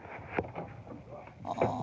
ああ。